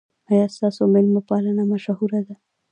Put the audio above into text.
ایا ستاسو میلمه پالنه مشهوره ده؟